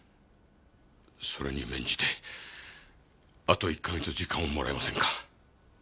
それに免じてあと１か月時間をもらえませんか？